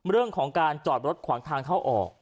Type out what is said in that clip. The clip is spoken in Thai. เรื่องของการจอดรถขวางทางเข้าออก